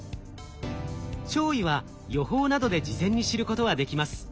潮位は予報などで事前に知ることはできます。